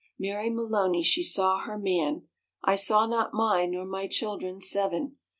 Mary Maloney she saw her man. I saw not mine, nor my childher seven.